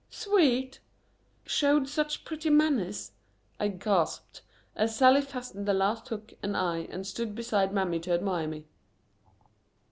"Sweet? Showed such pretty manners?" I gasped, as Sallie fastened the last hook and eye and stood beside Mammy to admire me.